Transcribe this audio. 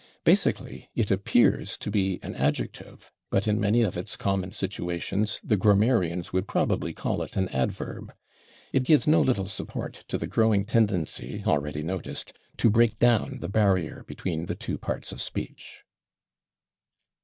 Basically, it appears to be an adjective, but in many of its common situations the grammarians would probably call it an adverb. It gives no little support to the growing tendency, already noticed, to break down the barrier between the two parts of speech.